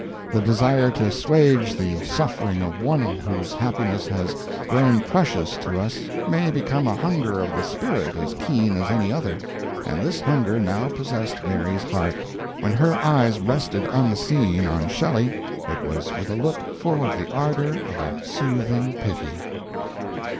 The desire to assuage the suffering of one whose happiness has grown precious to us may become a hunger of the spirit as keen as any other, and this hunger now possessed Mary's heart; when her eyes rested unseen on Shelley, it was with a look full of the ardor of a 'soothing pity.'"